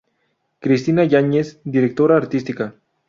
Cristina Yáñez, directora artística.